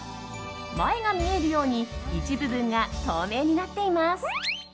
前が見えるように一部分が透明になっています。